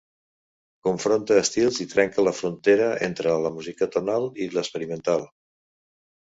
Confronta estils i trenca la frontera entre la música tonal i l’experimental.